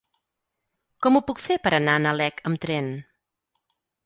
Com ho puc fer per anar a Nalec amb tren?